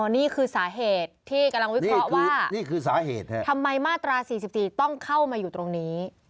นี่คือสาเหตุที่กำลังวิเคราะห์ว่านี่คือสาเหตุทำไมมาตรา๔๔ต้องเข้ามาอยู่ตรงนี้